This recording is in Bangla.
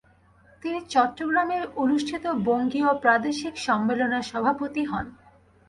তিনি চট্টগ্রামে অনুষ্ঠিত বঙ্গীয় প্রাদেশিক সম্মেলনে সভাপতি হন।